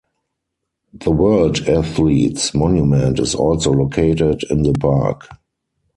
The World Athletes Monument is also located in the park.